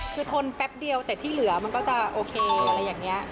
คือทนแป๊บเดียวแต่ที่เหลือมันก็จะโอเคอะไรอย่างนี้